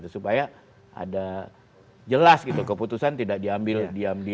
supaya ada jelas gitu keputusan tidak diambil diam diam